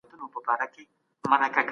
هيله انسان نه پرېږدي.